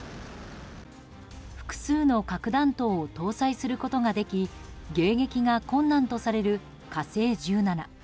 複数の核弾頭を搭載することができ迎撃が困難とされる「火星１７」。